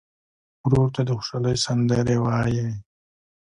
ورور ته د خوشحالۍ سندرې وایې.